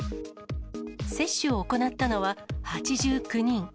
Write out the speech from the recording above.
接種を行ったのは８９人。